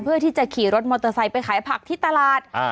เพื่อที่จะขี่รถมอเตอร์ไซค์ไปขายผักที่ตลาด